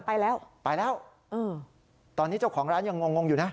ไปแล้วไปแล้วอืมตอนนี้เจ้าของร้านยังงงงงอยู่นะ